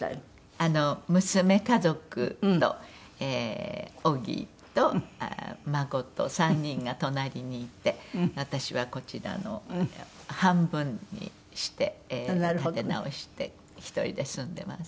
娘家族と小木と孫と３人が隣にいて私はこちらの半分にして建て直して１人で住んでます。